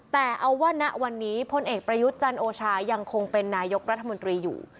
แต่เอาว่าณวันนี้พลเอกประยุทธ์จันโอชายังคงเป็นนายกรัฐมนตรีอยู่